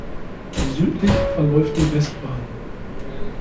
Südlich verläuft die Westbahn.